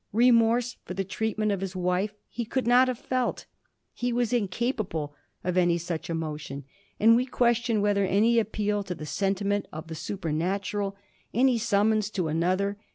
Remorse for the treatment of his wife he could not have felt — he was incapable of any such emotion ; and we ques tion whether any appeal to the sentiment of the super natural, auy summons to auother